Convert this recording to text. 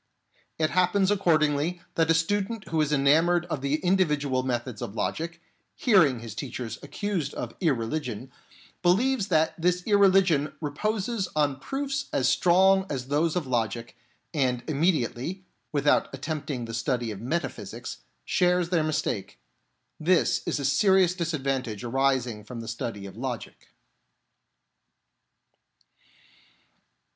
It happens, accordingly, that a student who is ena moured of the evidential methods of logic, hearing his teachers accused of irreligion, believes that 32 GOD THE SOLE AGENT this irreligion reposes on proofs as strong as those of logic, and immediately, without attempting the study of metaphysics, shares their mistake. This is a serious disadvantage arising from the study of logic.